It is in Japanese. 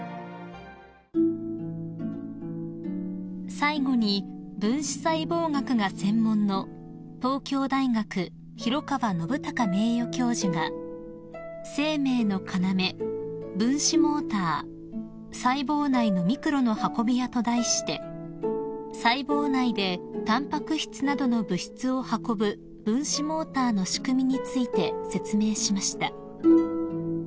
［最後に分子細胞学が専門の東京大学廣川信隆名誉教授が『生命の要、分子モーター、細胞内のミクロの運び屋』と題して細胞内でタンパク質などの物質を運ぶ分子モーターの仕組みについて説明しました］